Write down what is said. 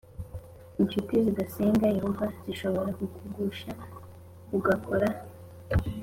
incuti zidasenga Yehova zishobora kugushuka ugakora